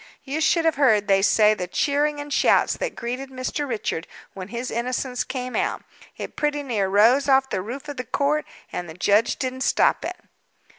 You should have heard, they say, the cheering and shouts that greeted Mr. Richard when his innocence came out; it pretty near rose off the roof of the court, and the judge didn't stop it."